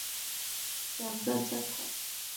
馆内现有农业历史和动物资源两个展馆。